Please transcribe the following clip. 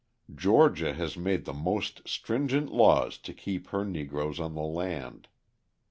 Georgia has made the most stringent laws to keep her Negroes on the land.